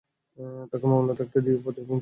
তাকে মামলায় থাকতে দিও এবং পর্যবেক্ষণ করো।